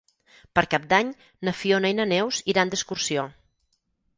Per Cap d'Any na Fiona i na Neus iran d'excursió.